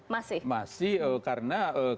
masih masih karena